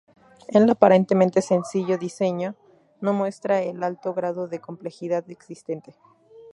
El aparentemente sencillo diseño, no muestra el alto grado de complejidad existente.